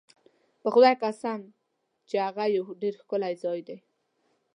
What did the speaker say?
په خدای قسم چې هغه یو ډېر ښکلی ځای دی.